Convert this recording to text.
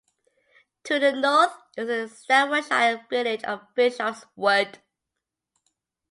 To the north is the Staffordshire village of Bishops Wood.